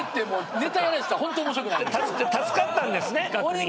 助かったんですね。